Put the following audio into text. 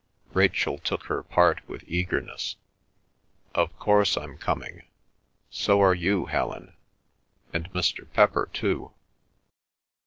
Rachel took her part with eagerness. "Of course I'm coming. So are you, Helen. And Mr. Pepper too."